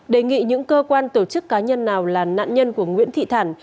đề nghị những cơ quan tổ chức cá nhân nào là nạn nhân của nguyễn thị thảo